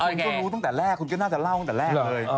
คุณก็รู้ตั้งแต่แรกคุณก็น่าจะเล่าตั้งแต่แรกเลย